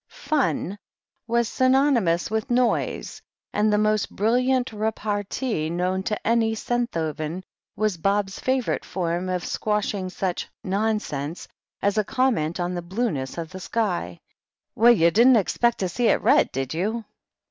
"Fun" was synonymous with noise, and the most brilliant repartee known to any Senthoven was Bob's favourite form of squashing such "nonsense" as a comment on the blueness of the sky : "Well, you didn't expect to see it red, did you?"